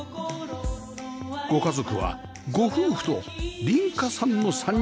ご家族はご夫婦と凛花さんの３人